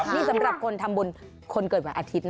นี่สำหรับคนทำบุญคนเกิดวันอาทิตย์นะ